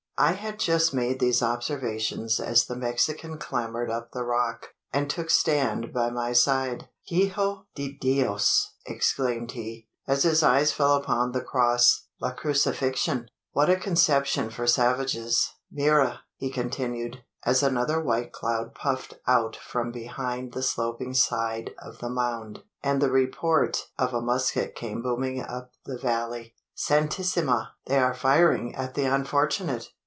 I had just made these observations as the Mexican clambered up the rock, and took stand by my side. "Hijo de Dios!" exclaimed he, as his eyes fell upon the cross, "la crucifixion! What a conception for savages! Mira!" he continued, as another white cloud puffed out from behind the sloping side of the mound, and the report of a musket came booming up the valley, "Santissima! they are firing at the unfortunate!"